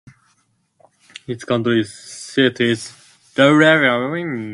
Its county seat is Del Rio.